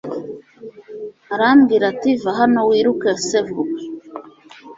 arambwira ati va hano wiruke se vuba